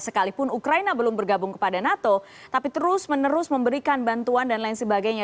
sekalipun ukraina belum bergabung kepada nato tapi terus menerus memberikan bantuan dan lain sebagainya